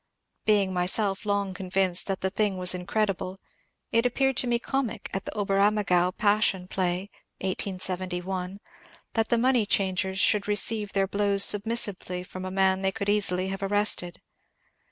Being myself long convinced that the thing was incred ible, it appeared to me comic at the Oberammergau Passion Play (1871) that the money changers should receive their blows submissively from a man they could easily have arrested.